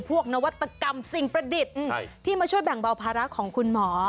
นวัตกรรมสิ่งประดิษฐ์ที่มาช่วยแบ่งเบาภาระของคุณหมอ